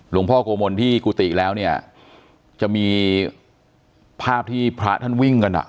หลวงพ่อโกมลที่กุฏิแล้วเนี่ยจะมีภาพที่พระท่านวิ่งกันอ่ะ